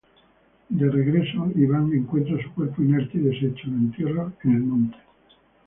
De regreso, Iván encuentra su cuerpo inerte y, deshecho, la entierra en el monte.